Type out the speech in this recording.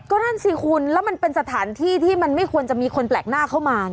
ก็นั่นสิคุณแล้วมันเป็นสถานที่ที่มันไม่ควรจะมีคนแปลกหน้าเข้ามาไง